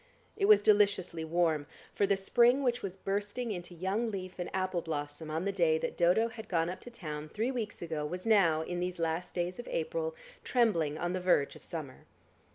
It was deliciously warm, for the spring which was bursting into young leaf and apple blossom on the day that Dodo had gone up to town three weeks ago was now, in these last days of April, trembling on the verge of summer.